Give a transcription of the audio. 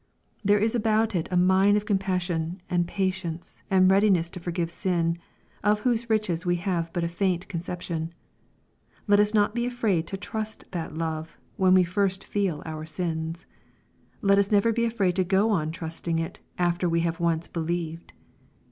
There is about it a mine of compassion, and patience, and readiness to forgive sin, of whose riches we have but a faint conception. Let us not be afraid to trust that love, when we first feel our sins. Let us never be afraid to go on trusting it after we have once believed.